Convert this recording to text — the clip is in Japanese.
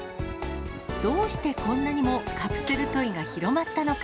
どうしてこんなにもカプセルトイが広まったのか。